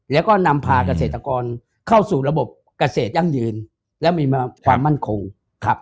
แล้วก็นำพาเกษตรกรเข้าสู่ระบบเกษตรยั่งยืนและมีความมั่นคงครับ